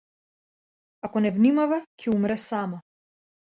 Ако не внимава ќе умре сама.